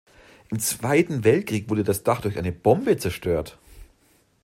Im Zweiten Weltkrieg wurde das Dach durch eine Bombe zerstört.